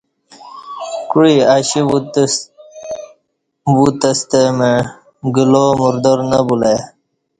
کوعی اشی وُتہ ستہ مع گُلا مردار نہ بلہ ای